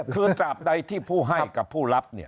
คือตราบใดที่ผู้ให้กับผู้รับ